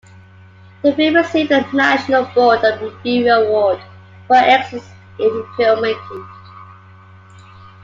The film received the National Board of Review Award for Excellence In Filmmaking.